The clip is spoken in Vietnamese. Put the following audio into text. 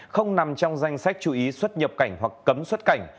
không nằm trong danh sách chú ý xuất nhập cảnh hoặc cấm xuất cảnh